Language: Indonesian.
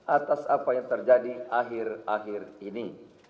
atas apa yang terjadi akhir akhir ini